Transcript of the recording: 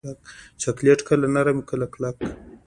چاکلېټ کله نرم وي، کله کلک.